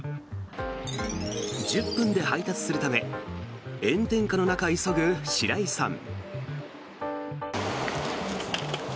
１０分で配達するため炎天下の中急ぐ白井さん。